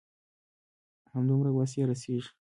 همدومره وس يې رسيږي.